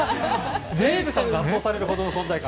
デーブさんが圧倒されるほどの存在感。